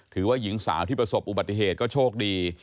หรือว่าหญิงสาวที่ประสบอุบัติเหตุก็โชคดี